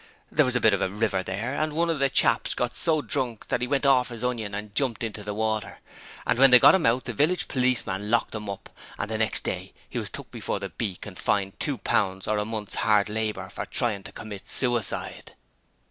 There was a bit of a river there, and one of the chaps got so drunk that he went orf his onion and jumped into the water, and when they got him out the village policeman locked him up, and the next day he was took before the beak and fined two pounds or a month's hard labour for trying to commit suicide.